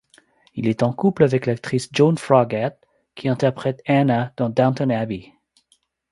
Il est en couple avec l'actrice Joanne Froggatt qui interprète Anna dans Downton Abbey.